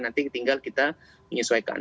nanti tinggal kita menyesuaikan